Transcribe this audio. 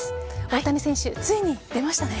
大谷選手、ついに出ましたね。